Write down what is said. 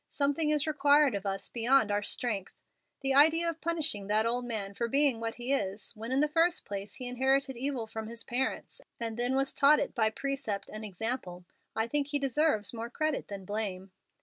Something is required of us beyond our strength. The idea of punishing that old man for being what he is, when in the first place he inherited evil from his parents, and then was taught it by precept and example. I think he deserves more credit than blame."